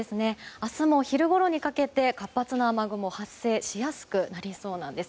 明日も昼ごろにかけて活発な雨雲が発生しやすくなりそうなんです。